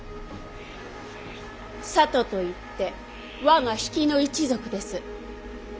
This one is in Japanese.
里といって我が比企の一族です。